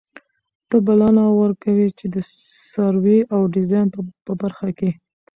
ته بلنه ور کوي چي د سروې او ډيزاين په برخه کي